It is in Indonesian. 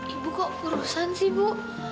ibu kok kurusan sih ibu